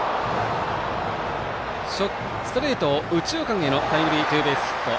ストレートを右中間へのタイムリーツーベースヒット。